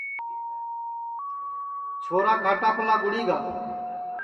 چھورا کھاٹاپاݪا گُڑی گا